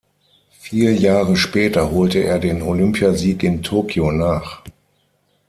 Vier Jahre später holte er den Olympiasieg in Tokio nach.